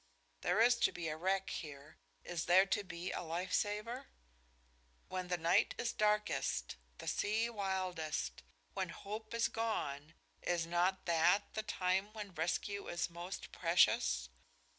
There is to be a wreck here; is there to be a life saver? When the night is darkest, the sea wildest, when hope is gone, is not that the time when rescue is most precious?